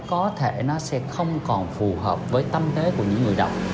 có thể nó sẽ không còn phù hợp với tâm thế của những người đọc